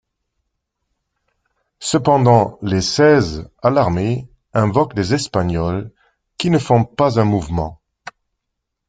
Cependant les Seize, alarmés, invoquent les Espagnols, qui ne font pas un mouvement.